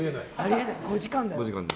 ５時間だよ。